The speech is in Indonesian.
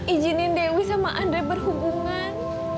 ijinin dewi sama andrei berhubungan